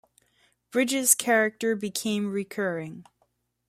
Bridges' character became recurring.